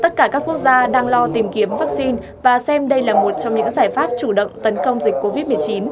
tất cả các quốc gia đang lo tìm kiếm vaccine và xem đây là một trong những giải pháp chủ động tấn công dịch covid một mươi chín